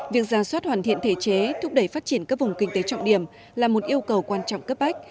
việc ra soát hoàn thiện thể chế thúc đẩy phát triển các vùng kinh tế trọng điểm là một yêu cầu quan trọng cấp bách